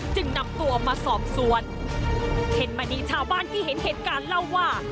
นำตัวมาสอบสวนเพ็ญมณีชาวบ้านที่เห็นเหตุการณ์เล่าว่า